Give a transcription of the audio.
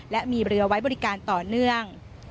และมีเรือไว้บริการต่อเนื่อง